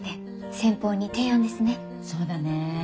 そうだね。